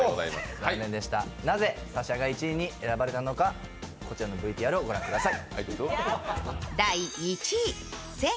なぜ、紗々が１位に選ばれたのかこちらのＶＴＲを御覧ください。